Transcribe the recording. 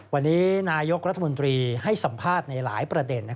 วันนี้นายกรัฐมนตรีให้สัมภาษณ์ในหลายประเด็น